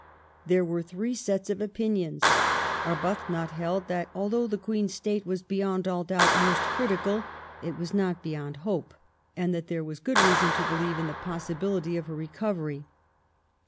There were three sets of opinions : Arbuthnot held that although the Queen's state was beyond all doubt most critical, it was not beyond hope, and that there was good reason to believe in the possibility of her recovery.